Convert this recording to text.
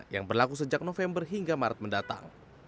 yang berlaku sejak november hingga maret mendatang